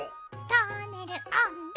トーネルおんど！